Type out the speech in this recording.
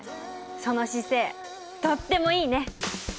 その姿勢とってもいいね！